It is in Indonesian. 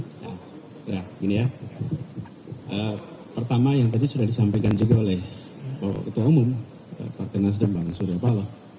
nah gini ya pertama yang tadi sudah disampaikan juga oleh ketua umum partai nasdem pak suriapallah